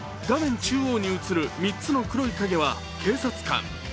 中央に移る３つの黒い影は警察官。